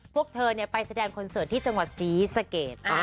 พวกเธอไปแสดงคอนเสิร์ตที่จังหวัดศรีสะเกด